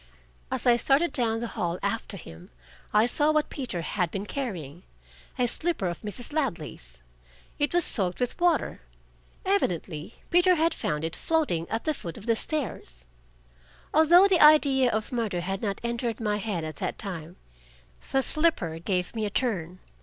As I started down the hall after him, I saw what Peter had been carrying a slipper of Mrs. Ladley's. It was soaked with water; evidently Peter had found it floating at the foot of the stairs. Although the idea of murder had not entered my head at that time, the slipper gave me a turn.